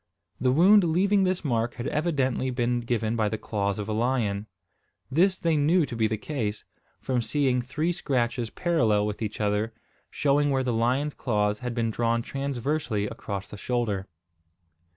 The wound leaving this mark had evidently been given by the claws of a lion. This they knew to be the case, from seeing three scratches parallel with each other, showing where the lion's claws had been drawn transversely across the shoulder.